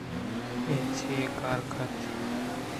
* اے چِہ کار ءَ کَیت؟